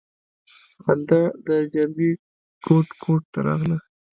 خندا د چرگې کوټ کوټ راغله.